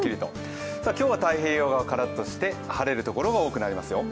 今日は太平洋側はカラッとして晴れる所が多いですよ。